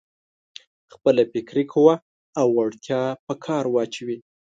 خپله فکري قوه او وړتيا په کار واچوي.